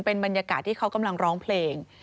เป็นบรรยากาศที่เขากำลังร้องเพลง